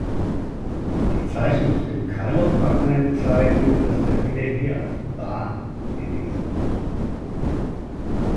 Die Zeichen auf dem Kairo-Fragment zeigen, dass der Widder hier als „Ba“ gelesen wurde.